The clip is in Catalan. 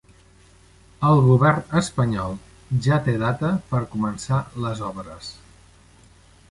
El govern espanyol ja té data per començar les obres